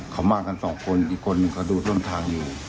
เขามากันสองคนอีกคนหนึ่งเขาดูต้นทางอยู่